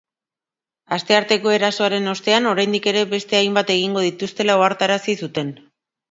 Astearteko erasoaren ostean, oraindik ere beste hainbat egingo dituztela ohartarazi zuten.